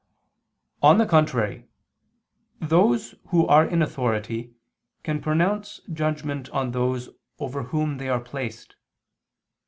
On the contrary, Those who are in authority can pronounce judgment on those over whom they are placed.